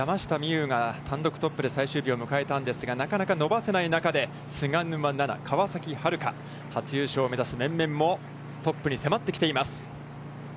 有が単独トップで最終日を迎えたんですが、なかなか伸ばせない中で菅沼菜々、川崎春花、初優勝を目指す面々もトップに迫ってきています。